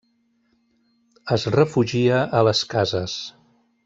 Es refugia a les cases.